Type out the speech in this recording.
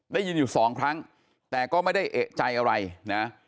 ได้ยินอยู่สองครั้งแต่ก็ไม่ได้เอกใจอะไรนะ